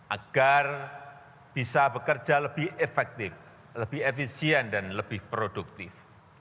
agar bisa bekerja lebih efektif lebih efisien dan lebih produktif